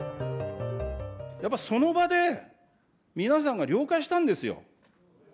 やっぱりその場で、皆さんが了解したんですよ。